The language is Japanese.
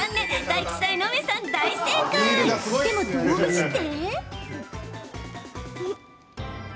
でも、どうして？